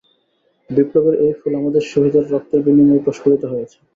বিপ্লবের এই ফুল আমাদের শহীদদের রক্তের বিনিময়েই প্রস্ফুটিত হয়েছে।